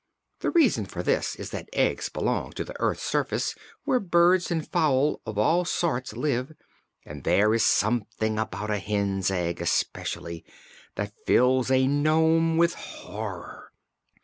The reason for this is that eggs belong on the earth's surface, where birds and fowl of all sorts live, and there is something about a hen's egg, especially, that fills a nome with horror.